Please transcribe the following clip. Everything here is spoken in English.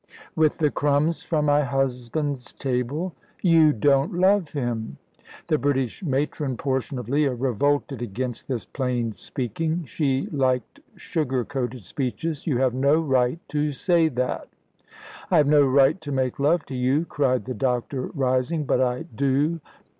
"With the crumbs from my husband's table?" "You don't love him!" The British matron portion of Leah revolted against this plain speaking. She liked sugar coated speeches. "You have no right to say that." "I have no right to make love to you," cried the doctor, rising, "but I do.